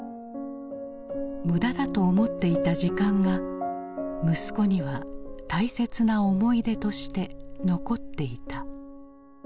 無駄だと思っていた時間が息子には大切な思い出として残っていた。